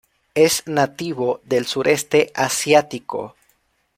Es nativo del sureste Asiático.